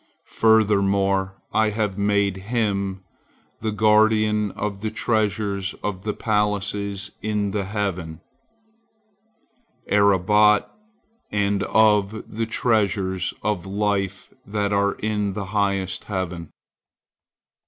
Furthermore, I have made him the guardian of the treasures of the palaces in the heaven 'Arabot, and of the treasures of life that are in the highest heaven."